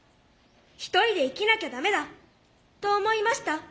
一人で生きなきゃ駄目だと思いました。